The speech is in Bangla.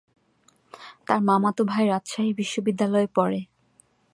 তার মামাতো ভাই রাজশাহী বিশ্বনিদ্যালয়ে পড়ে।